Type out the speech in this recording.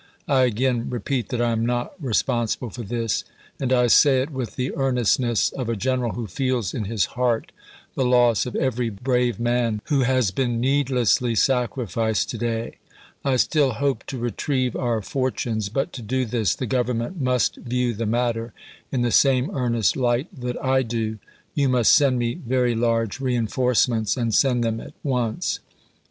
I again repeat that I am not responsible for this, and I say it with the earnestness of a general who feels in his heart the loss of every brave man who has been needlessly sac rificed to day. I still hope to retrieve our fortunes, but to do this the Government must view the matter in the same earnest light that I do. You must send me very large reenforcements, and send them at once.